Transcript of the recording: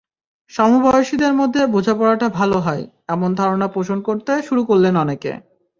সমবয়সীদের মধ্যে বোঝাপড়াটা ভালো হয়—এমন ধারণা পোষণ করতে শুরু করলেন অনেকে।